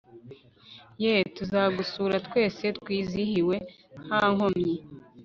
yeee tuzagusura twese twizihiwe ntankomyi